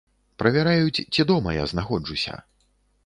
Правяраюць, ці дома я знаходжуся.